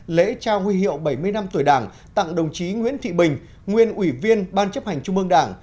lễ trao huy hiệu bảy mươi năm tuổi đảng tặng đồng chí nguyễn thị bình nguyên ủy viên ban chấp hành trung ương đảng